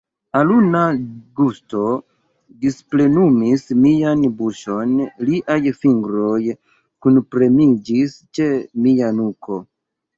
Aluna gusto displenumis mian buŝon, liaj fingroj kunpremiĝis ĉe mia nuko.